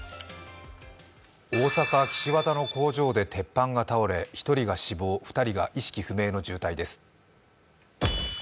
大阪・岸和田の工場で鉄板が崩れ１人が死亡、２人が意識不明の重体です。